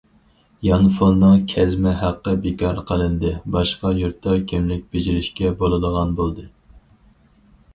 يانفوننىڭ كەزمە ھەققى بىكار قىلىندى، باشقا يۇرتتا كىملىك بېجىرىشكە بولىدىغان بولدى.